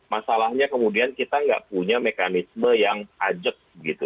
masalahnya kemudian kita nggak punya mekanisme yang ajak gitu